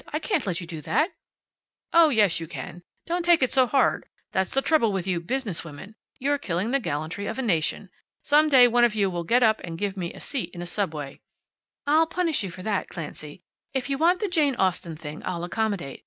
I can't let you do that." "Oh, yes you can. Don't take it so hard. That's the trouble with you business women. You're killing the gallantry of a nation. Some day one of you will get up and give me a seat in a subway " "I'll punish you for that, Clancy. If you want the Jane Austen thing I'll accommodate.